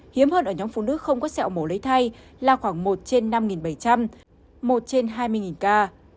hiếm hơn ở nhóm phụ nữ không có sẹo mổ lấy thai là khoảng một trên năm bảy trăm một trên hai mươi ca